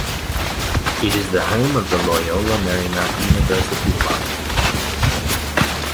It is the home of the Loyola Marymount University Lions.